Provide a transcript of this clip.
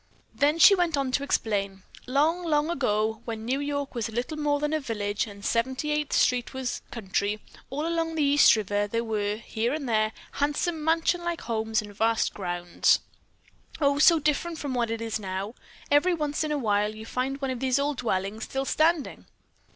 Then she went on to explain: "Long, long ago, when New York was little more than a village, and Seventy eighth Street was country, all along the East River there were, here and there, handsome mansion like homes and vast grounds. Oh, so different from what it is now! Every once in a while you find one of these old dwellings still standing.